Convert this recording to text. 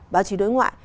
báo chí đối ngoại